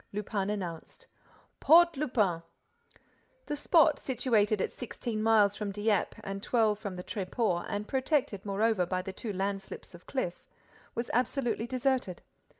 Lupin announced: "Port Lupin!" The spot, situated at sixteen miles from Dieppe and twelve from the Tréport and protected, moreover, by the two landslips of cliff, was absolutely deserted.